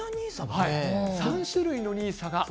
３種類のＮＩＳＡがあります。